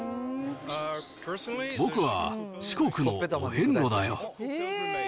僕は四国のお遍路だよ。